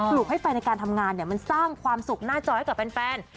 ลูกให้แฟนในการทำงานมันสร้างความสุขหน้าจอให้กับแฟน